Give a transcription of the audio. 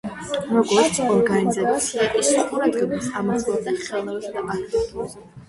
როგორც ორგანიზაცია, ის ყურადღებას ამახვილებდა ხელოვნებასა და არქიტექტურაზე.